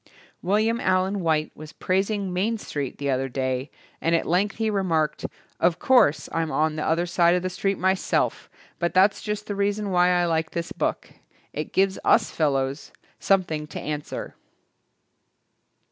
Wil liam Allen White was praising "Main Street" the other day and at length he remarked, "Of course, I'm on the other side of the street myself but that's just the reason why I like this book. It gives us fellows something to answer."